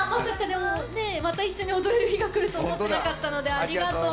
また一緒に踊れる日がくると思ってなかったのでありがとう。